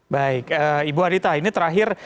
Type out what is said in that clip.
baik ibu adita ini terakhir